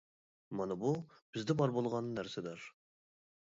مانا بۇ بىزدە بار بولغان نەرسىلەر.